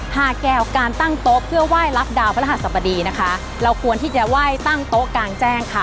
หากแก้วการตั้งโต๊ะเพื่อไหว้รับดาวพระหัสบดีนะคะเราควรที่จะไหว้ตั้งโต๊ะกลางแจ้งค่ะ